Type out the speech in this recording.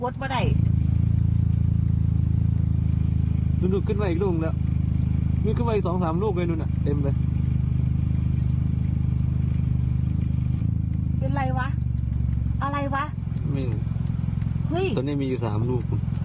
ตอนนี้มีอยู่๓ลูก